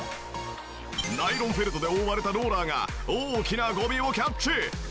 ナイロンフェルトで覆われたローラーが大きなゴミをキャッチ！